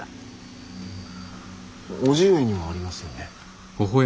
叔父上にはありますよね。